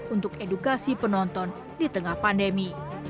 untuk edukasi penonton di tengah pandemi